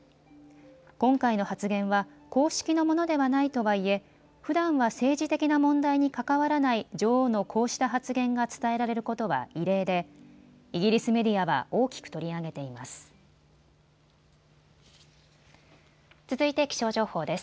今回の発言は公式のものではないとはいえふだんは政治的な問題に関わらない女王のこうした発言が伝えられることは異例でイギリスメディアは大きく取り上げています。